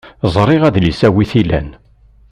Ẓriɣ adlis-a wi t-ilan.